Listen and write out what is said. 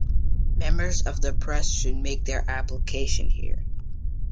Members of the press should make their application here.